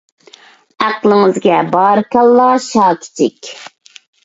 ھەقلىڭىزگە بارىكاللاھ شاكىچىك.